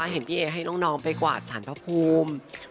เห็นพี่เอให้น้องไปกวาดสารพระภูมิ